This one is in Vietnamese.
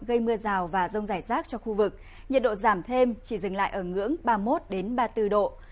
gây mưa rào và rông rải rác cho khu vực nhiệt độ giảm thêm chỉ dừng lại ở ngưỡng ba mươi một ba mươi bốn độ